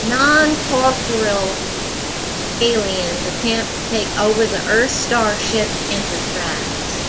Non-corporeal aliens attempt to take over the Earth starship "Enterprise".